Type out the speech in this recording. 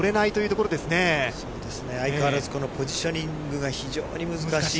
そうですね、相変わらず、このポジショニングが非常に難しい。